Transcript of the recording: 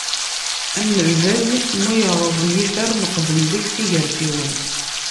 Am lbaz mu yerreẓ yifer, neqqben deg-s igerfiwen.